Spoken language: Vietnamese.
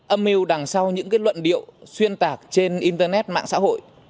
âm mưu đằng sau những luận điệu xuyên tạc trên internet mạng xã hội